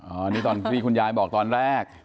อันนี้ตอนที่คุณยายบอกตอนแรก